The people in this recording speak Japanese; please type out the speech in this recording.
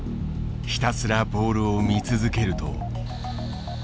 ひたすらボールを見続けると。